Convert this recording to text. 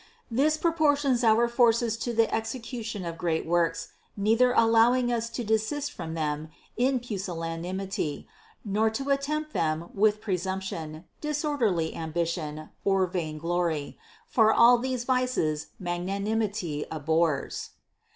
This proportions our forces to the execution of great works, neither allowing us to desist from them in pusillanimity, nor to attempt them with pre sumption, disorderly ambition, or vainglory ; for all these vices magnanimity abhors.